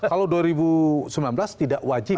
kalau dua ribu sembilan belas tidak wajib